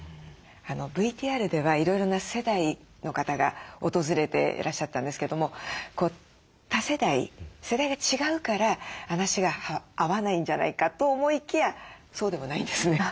ＶＴＲではいろいろな世代の方が訪れていらっしゃったんですけども多世代世代が違うから話が合わないんじゃないかと思いきやそうでもないんですね。